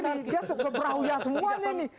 dia itu gebrahuyah semua ini